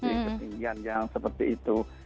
di ketinggian yang seperti itu